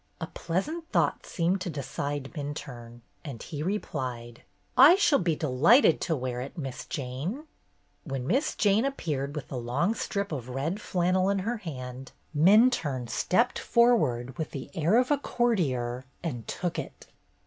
A pleasant thought seemed to decide Min turne, and he replied: "I shall be delighted to wear it. Miss Jane." When Miss Jane appeared with the long strip of red flannel in her hand Minturne stepped forward with the air of a courtier and took it.